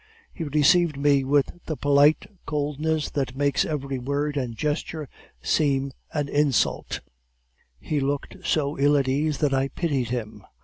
He received me with the polite coldness that makes every word and gesture seem an insult; he looked so ill at ease that I pitied him.